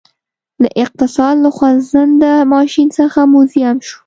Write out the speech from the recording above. له اقتصاد له خوځنده ماشین څخه موزیم شو